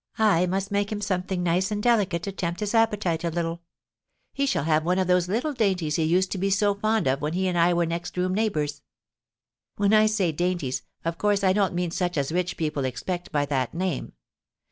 I must make him something nice and delicate to tempt his appetite a little; he shall have one of those little dainties he used to be so fond of when he and I were next room neighbours.' When I say dainties, of course I don't mean such as rich people expect by that name.